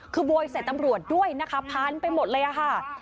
คือโวยใส่ตำรวจด้วยนะคะพันไปหมดเลยค่ะ